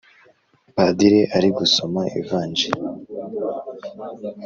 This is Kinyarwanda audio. Padiri arigusoma ivanjiri